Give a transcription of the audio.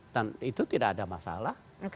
itu tidak ada masalah